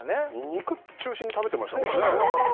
肉中心に食べてましたもんね